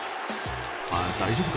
「大丈夫か？